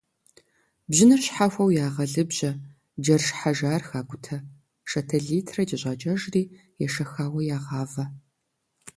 Бжьыныр щхьэхуэу ягъэлыбжьэ, джэш хьэжар хакӀутэ, шатэ литрэ кӀэщӀакӀэжри ешэхауэ ягъавэ.